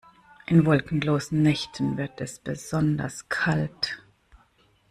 In wolkenlosen Nächten wird es besonders kalt.